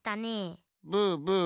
ブーブー。